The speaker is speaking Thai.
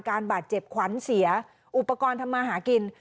การบาดเจ็บขวัญเสียอุปกรณ์ทำมาหากิน